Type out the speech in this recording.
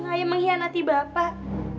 ayah mengkhianati bapak